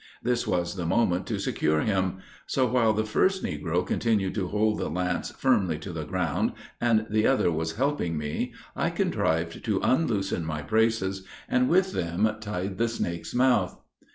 This was the moment to secure him. So while the first negro continued to hold the lance firm to the ground, and the other was helping me, I contrived to unloosen my braces, and with them tied the snake's mouth.